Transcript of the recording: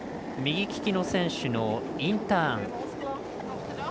右利きの選手のインターン。